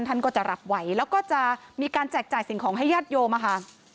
ท่านก็จะรับไว้แล้วก็จะมีการแจกจ่ายสิ่งของให้ญาติโยมอะค่ะ